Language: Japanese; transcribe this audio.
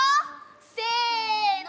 せの。